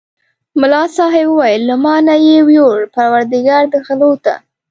ملا صاحب وویل له ما نه یې یووړ پرودګار دې غلو ته.